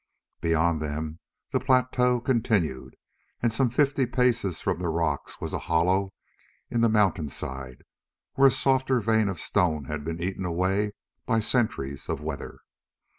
Beyond them the plateau continued, and some fifty paces from the rocks was a hollow in the mountain side, where a softer vein of stone had been eaten away by centuries of weather.